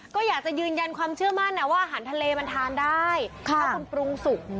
ก็อยากจะยืนยันความเชื่อมั่นว่าอาหารทะเลมันทานได้ถ้าคุณปรุงสุก